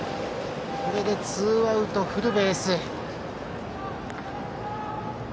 これでツーアウト、フルベース。